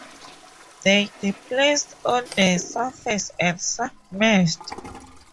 They displaced on the surface and submerged.